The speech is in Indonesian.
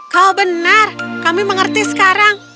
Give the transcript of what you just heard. kau benar kami mengerti sekarang